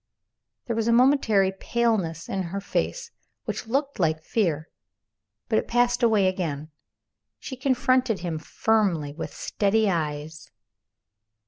There was a momentary paleness in her face which looked like fear, but it passed away again. She confronted him firmly with steady eyes.